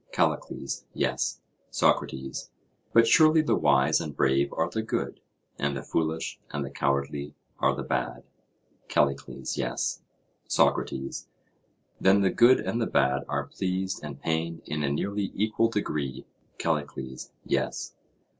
CALLICLES: Yes. SOCRATES: But surely the wise and brave are the good, and the foolish and the cowardly are the bad? CALLICLES: Yes. SOCRATES: Then the good and the bad are pleased and pained in a nearly equal degree? CALLICLES: Yes.